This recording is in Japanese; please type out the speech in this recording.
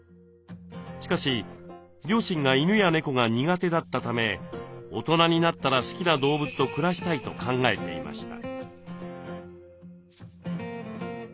しかし両親が犬や猫が苦手だったため大人になったら好きな動物と暮らしたいと考えていました。